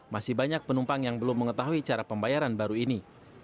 masih banyak penumpang yang belum mengetahui cara pembayaran baru ini